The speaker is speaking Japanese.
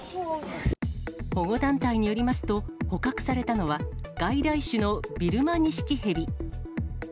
保護団体によりますと、捕獲されたのは外来種のビルマニシキヘビ。